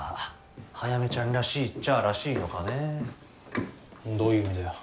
早梅ちゃんらしいっちゃらしいのかねどういう意味だよ